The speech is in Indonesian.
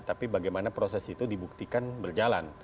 tapi bagaimana proses itu dibuktikan berjalan